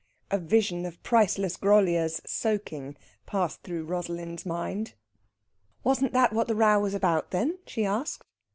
A vision of priceless Groliers soaking passed through Rosalind's mind. "Wasn't that what this row was about, then?" she asked.